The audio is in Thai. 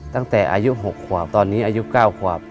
ตั้งแต่อายุ๖ขวบตอนนี้อายุ๙ขวบ